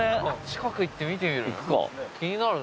近く行って見てみる？